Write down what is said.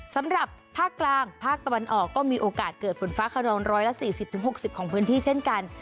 สำหรับภาคกลางภาคตะวันออกก็มีโอกาสเกิดฝนฟ้าขนอง๑๔๐๖๐ของพื้นที่เช่นกัน